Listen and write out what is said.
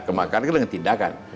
kemakar kan dengan tindakan